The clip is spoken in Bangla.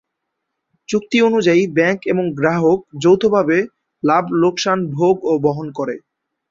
চুক্তি অনুযায়ী ব্যাংক এবং গ্রাহক যৌথভাবে লাভলোকসান ভোগ ও বহন করে।